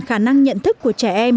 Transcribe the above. khả năng nhận thức của trẻ em